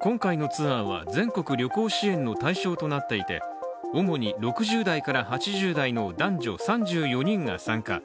今回のツアーは全国旅行支援の対象となっていて主に６０代から８０代の男女３４人が参加。